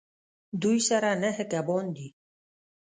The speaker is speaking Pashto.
دوی سره نهه کبان دي